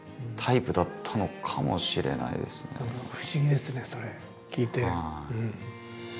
不思議ですねそれ聞いて。